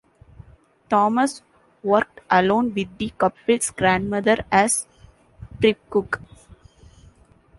Thomas worked alone with the couple's grandmother as prep cook.